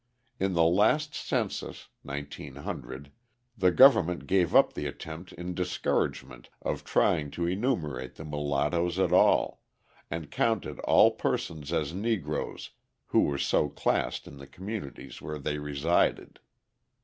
In the last census (1900) the government gave up the attempt in discouragement of trying to enumerate the mulattoes at all, and counted all persons as Negroes who were so classed in the communities where they resided.